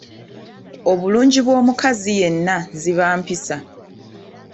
Obulungi bw’omukazi yenna ziba mpisa.